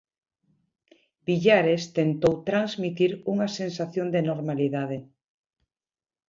Villares tentou transmitir unha sensación de normalidade.